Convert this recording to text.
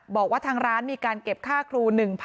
บอกว่าทางร้านมีการเก็บค่าครู๑๐๐๐